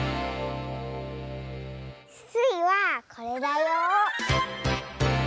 スイはこれだよ。